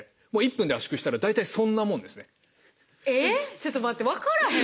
ちょっと待って分からへん。